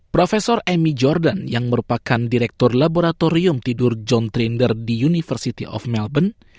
prof amy jordan yang merupakan direktur laboratorium tidur john trinder di university of melbourne